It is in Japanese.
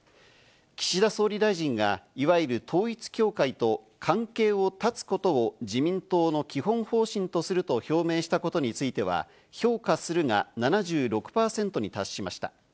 岸田総理大臣がいわゆる統一教会と関係を断つことを自民党の基本方針とすると表明したことについては、評価するが７６％に達しました。